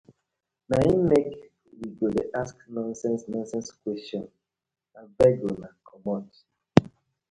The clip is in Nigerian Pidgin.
Na im mek we go dey ask nonsense nonsense question, abeg una komot.